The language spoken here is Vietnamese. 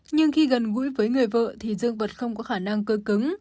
nhưng khi gần gũi với người vợ thì dương vật không có khả năng cơ cứng